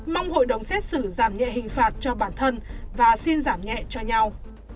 mong hội đồng xét xử giảm nhẹ hình phạt cho bản thân và xin giảm nhẹ cho nhau